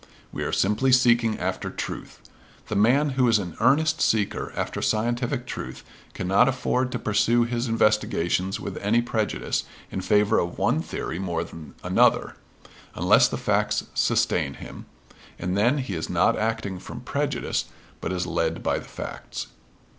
We are simply seeking after truth. The man who is an earnest seeker after scientific truth cannot afford to pursue his investigations with any prejudice in favor of one theory more than another, unless the facts sustain him, and then he is not acting from prejudice, but is led by the facts.